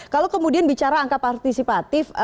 kalau kemudian bicara angka partisipatif